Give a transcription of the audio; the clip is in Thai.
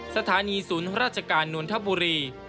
สถานีศูนย์ราชการนวลธบุรี